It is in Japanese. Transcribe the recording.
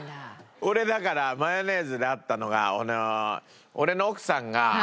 俺だからマヨネーズであったのが俺の奥さんがまあ